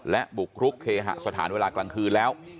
และบุกรุกเคหสถานเวลากลางคืนแล้ว